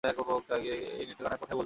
এই ঠিকানাটা কোথায় বলতে পারবেন?